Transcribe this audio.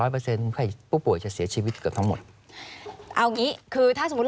๙๐เปอร์เปอร์เซ็นต์